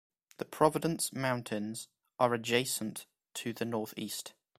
The Providence Mountains are adjacent to the northeast.